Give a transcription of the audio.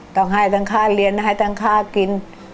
ต้องให้ทั้งค่าเรียนให้ทั้งค่ากิน